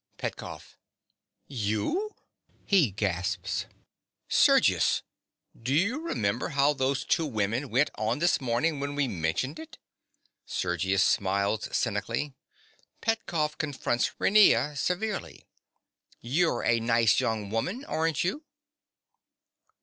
PETKOFF. You! (He gasps.) Sergius: do you remember how those two women went on this morning when we mentioned it? (Sergius smiles cynically. Petkoff confronts Raina severely.) You're a nice young woman, aren't you?